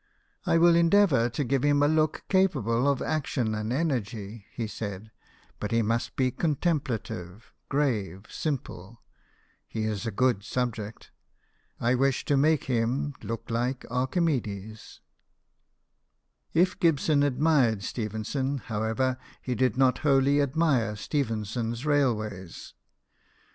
" I will endeavour to give him a look capable of action and energy,'* he 84 BIOGRAPHIES OF WORKING MEN. said ;" but he must be contemplative, grave, simple. He is a good subject. I wish to make him look like an Archimedes." If Gibson admired Stephenson, however, he did not wholly admire Stephenson's railways.